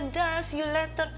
das you later